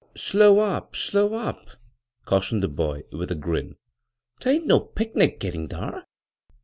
" Slow up, slow up," cautioned the boy with a grin. " 'Tain't no picnic gittin' thar.